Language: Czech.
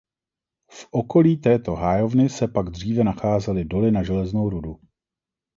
V okolí této hájovny se pak dříve nacházely doly na železnou rudu.